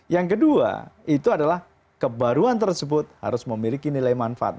yang kedua itu adalah kebaruan tersebut harus memiliki nilai manfaat